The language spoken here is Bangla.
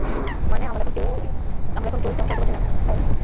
মানে, আমরা এখন কেউই তেমন শব্দ শুনছি না, তাই না?